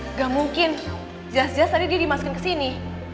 nggak mungkin jelas jelas tadi dia dimasukin ke sini